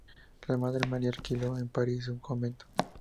La Madre Maria alquiló en París su "convento".